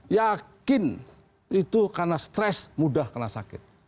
yakin itu karena stres mudah kena sakit